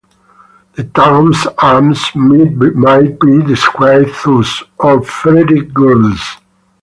The town's arms might be described thus: "Or fretty gules".